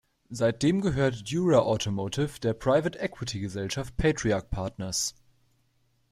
Seitdem gehört Dura Automotive der Private-Equity-Gesellschaft Patriarch Partners.